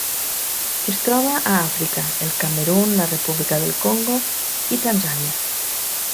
Es troba a Àfrica: el Camerun, la República del Congo i Tanzània.